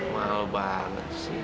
mahal banget sih